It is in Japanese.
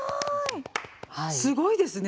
すごいですね。